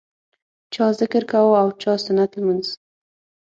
چا ذکر کاوه او چا سنت لمونځ.